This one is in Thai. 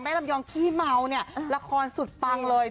ลำยองขี้เมาเนี่ยละครสุดปังเลย